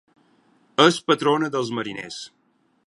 És patrona dels mariners.